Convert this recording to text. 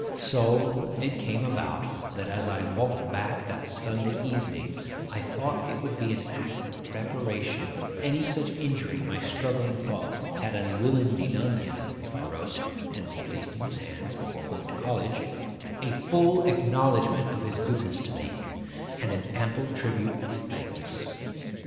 So it came about, that, as I walked back that Sunday evening, I thought it would be an act of reparation for any such injury my struggling thoughts had unwillingly done him, if I wrote, and placed in his hands, before going to college, a full acknowledgment of his goodness to me, and an ample tribute of thanks.